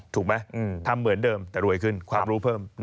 ถูกไหมทำเหมือนเดิมแต่รวยขึ้นความรู้เพิ่ม